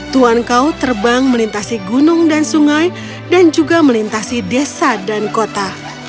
tuhan kau terbang melintasi gunung dan sungai dan juga melintasi desa dan kota